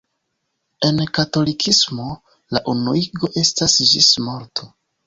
En katolikismo, la unuigo estas ĝis morto.